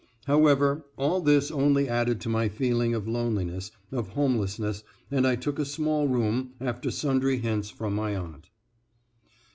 However, all this only added to my feeling of loneliness, of homelessness, and I took a small room, after sundry hints from my aunt.